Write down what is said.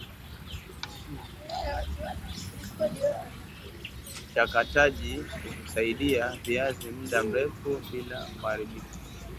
Uchakataji husaidia viazi muda mrefu bila kuharibika